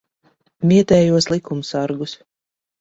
Vietējos likumsargus.